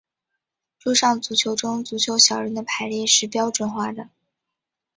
桌上足球中足球小人的排列是标准化的。